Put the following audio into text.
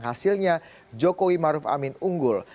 hasilnya jokowi maruf amin unggul